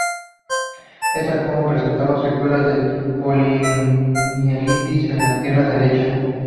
Esta joven presentaba secuelas de poliomielitis en la pierna derecha.